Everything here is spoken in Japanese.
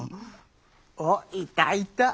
おっいたいた！